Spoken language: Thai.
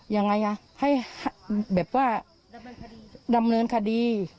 ยังไงอ่ะให้แบบว่าดำเนินคดี